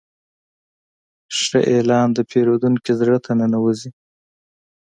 ښه اعلان د پیرودونکي زړه ته ننوځي.